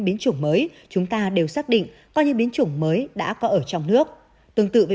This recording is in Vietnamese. biến chủng mới chúng ta đều xác định có những biến chủng mới đã có ở trong nước tương tự với